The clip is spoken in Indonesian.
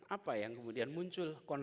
apa yang kemudian muncul